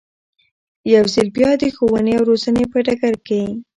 يو ځل بيا د ښوونې او روزنې په ډګر کې